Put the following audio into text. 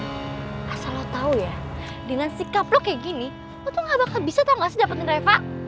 asal lo tau ya dengan sikap lo kayak gini lo tuh gak bakal bisa tau gak sih dapetin reva